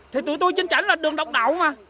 thì tụi tôi chính trảnh là đường độc đạo mà